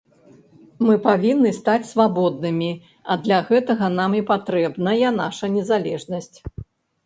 Мы павінны стаць свабоднымі, а для гэтага нам і патрэбная наша незалежнасць.